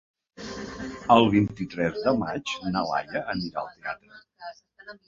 El vint-i-tres de maig na Laia anirà al teatre.